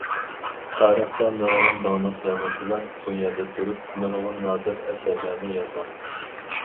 تارىختا نۇرغۇن داڭلىق يازغۇچىلار بۇ يەردە تۇرۇپ نۇرغۇن نادىر ئەسەرلەرنى يازغان.